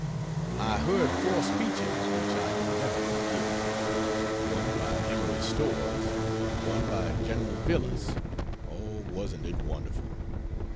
I heard four speeches which I can never forget. One by Emory Storrs, one by Gen. Vilas (O, wasn't it wonderful!)